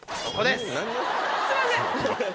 すいません。